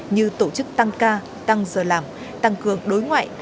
như tổ chức tăng ca tăng giờ làm tăng cường đối ngoại